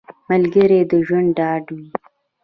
ملګری د ژوند ډاډ وي